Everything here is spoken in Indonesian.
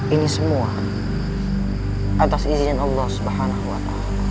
ini semua atas izin allah swt